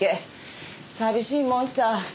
寂しいもんさ。